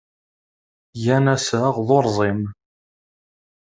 Gan assaɣ d urẓim.